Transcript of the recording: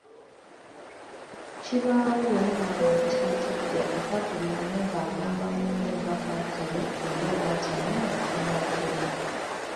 Kibaawo bwe muba nga mukyatijja era buli omu ng'agamba munne nga bwatalya era bw'atanywa nga tamulabyeko